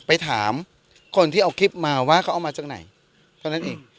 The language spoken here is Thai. ไปถามคนที่เอาคลิปมาว่าเขาเอามาจากไหนเท่านั้นเอง